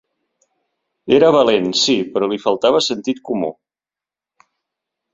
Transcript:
Era valent, sí, però li faltava sentit comú.